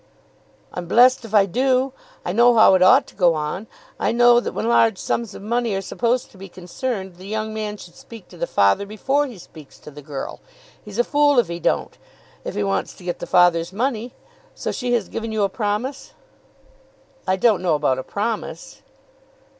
"I'm blessed if I do. I know how it ought to go on. I know that when large sums of money are supposed to be concerned, the young man should speak to the father before he speaks to the girl. He's a fool if he don't, if he wants to get the father's money. So she has given you a promise?" "I don't know about a promise."